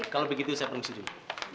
kalau begitu saya permisi dulu